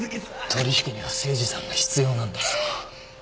取引には誠司さんが必要なんだぞ。